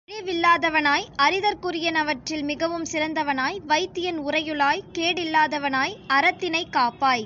அழிவில்லாதவனாய், அறிதற்குரியனவற்றில் மிகவும் சிறந்தவனாய், வையத்தின் உறையுளாய், கேடில்லாதவனாய், அறத்தினைக் காப்பாய்.